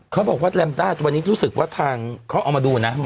เขาบอกว่าแรมต้าวันนี้รู้สึกว่าทางเขาเอามาดูนะ